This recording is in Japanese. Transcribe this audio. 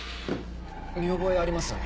見覚えありますよね？